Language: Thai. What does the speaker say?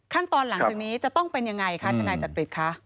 ขั้นตอนหลังจากนี้จะต้องเป็นยังไงคะที่นายจัดปิดค่ะ